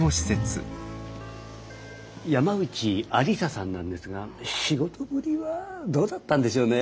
山内愛理沙さんなんですが仕事ぶりはどうだったんでしょうね？